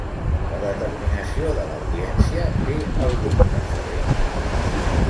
La determinació de l'Audiència té algun precedent?